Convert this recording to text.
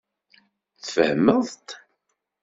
Tfehmeḍ-t?